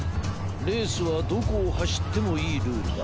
レースはどこをはしってもいいルールだ。